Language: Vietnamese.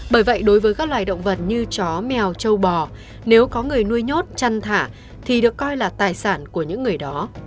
bởi vậy đối với các loài động vật như chó mèo châu bò nếu có người nuôi nhốt chăn thả thì được coi là tài sản của những người đó